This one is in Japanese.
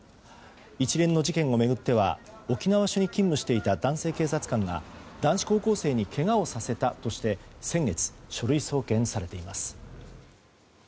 一連の事件を巡っては沖縄署に勤務していた男性警察官が男子高校生にけがをさせたとして先月、書類送検されています。